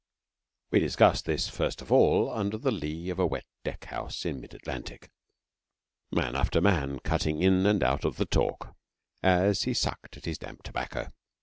We discussed this, first of all, under the lee of a wet deck house in mid Atlantic; man after man cutting in and out of the talk as he sucked at his damp tobacco.